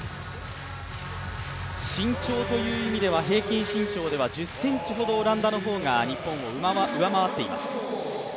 身長という意味では平均身長では、１０ｃｍほどオランダの方が日本を上回っています。